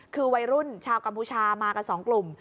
คือวัยรุ่นชาวกัมพูชามากัน๒กลุ่ม